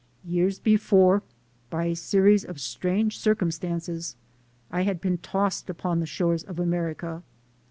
Years before, by a series of strange circumstances, I had been tossed upon the shores of America.